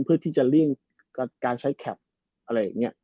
เพื่อที่จะเลี่ยงการใช้แคปอะไรอย่างนี้